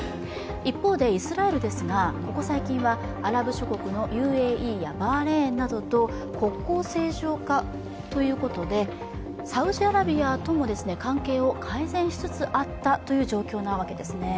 一方で、イスラエルですが、ここ最近はアラブ諸国のＵＡＥやバーレーンなどと国交正常化ということでサウジアラビアとも関係を改善しつつあったという状況なわけですね。